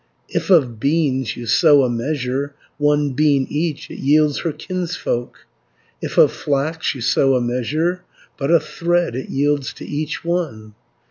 If of beans you sow a measure One bean each, it yields her kinsfolk; If of flax you sow a measure, But a thread it yields to each one.